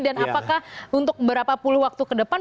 dan apakah untuk berapa puluh waktu ke depan